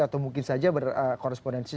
atau mungkin saja berkorespondensi